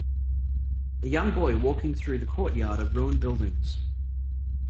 A young boy walking through the courtyard of ruined buildings.